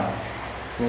có năng lực